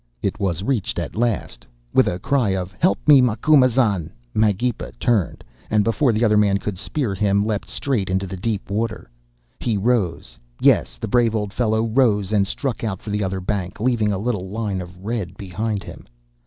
"It was reached at last. With a cry of 'Help me, Macumazahn!' Magepa turned, and before the other man could spear him, leapt straight into the deep water. He rose. Yes, the brave old fellow rose and struck out for the other bank, leaving a little line of red behind him.